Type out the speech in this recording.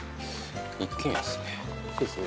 ・一軒家っすね。